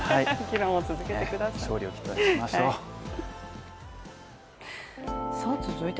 議論を続けてください。